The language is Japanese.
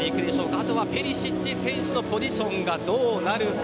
あとはペリシッチ選手のポジションがどうなるか。